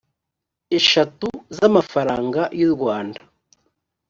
eshatu z amafaranga y u rwanda